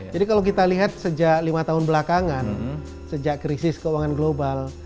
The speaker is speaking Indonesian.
jadi kalau kita lihat sejak lima tahun belakangan sejak krisis keuangan global